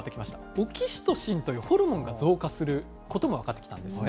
オキシトシンというホルモンが増加することも分かってきたんですね。